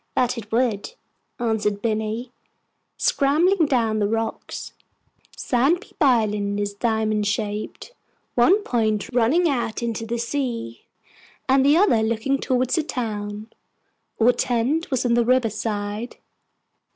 "That it would," answered Binny, scrambling down the rocks. Sandpeep Island is diamond shaped one point running out into the sea, and the other looking towards the town. Our tent was on the river side.